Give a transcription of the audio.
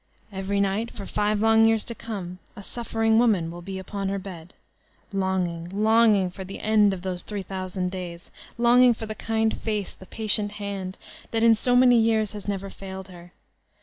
Every niglit, for five long years to come, a suffering woman will lie upon her bed, lon^in^, longing for the end of those three thousand days; longing for the kind face, the patient hand, that in so many years had never failed her.